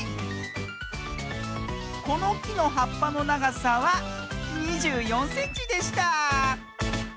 このきのはっぱのながさは２４センチでした。